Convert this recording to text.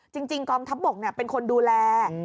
จริงกองทัพบกเป็นคนดูแล